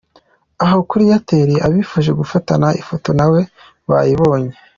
Aho kuri Airtel abifuje gufatana ifoto nawe bayibonye.